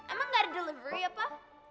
emang gak ada delivery apa